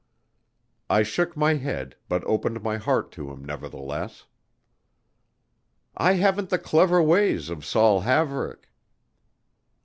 I shook my head, but opened my heart to him, nevertheless. "I haven't the clever ways of Saul Haverick."